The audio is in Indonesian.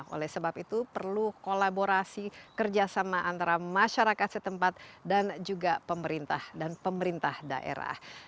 oleh sebab itu perlu kolaborasi kerjasama antara masyarakat setempat dan juga pemerintah dan pemerintah daerah